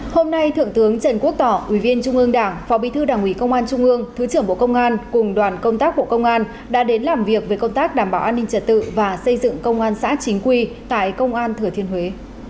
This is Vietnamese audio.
hôm nay thượng tướng trần quốc tỏ ủy viên trung ương đảng phó bí thư đảng ủy công an trung ương thứ trưởng bộ công an cùng đoàn công tác bộ công an đã đến làm việc về công tác đảm bảo an ninh trật tự và xây dựng công an xã chính quy tại công an thừa thiên huế